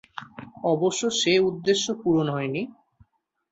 অবশ্য সে উদ্দেশ্য পূরণ হয়নি।